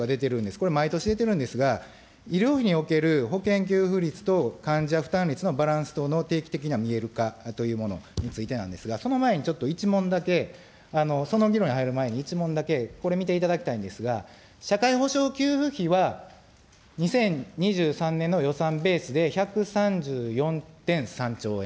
これ、毎年出てるんですが、医療費における保険給付率と患者負担率のバランス等の定期的な見える化というものについてなんですが、その前にちょっと１問だけ、その議論に入る前に、１問だけ、これ見ていただきたいんですが、社会保障給付費は、２０２３年の予算ベースで１３４．３兆円。